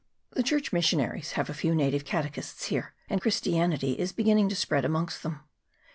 The Church mis sionaries have a few native catechists here, and Christianity is beginning to spread amongst them.